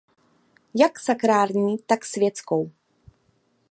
Jak sakrální tak světskou.